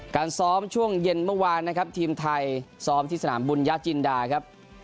การซ้อมช่วงเย็นเมื่อวานนะครับทีมไทยซ้อมที่สนามบุญญาจินดาครับ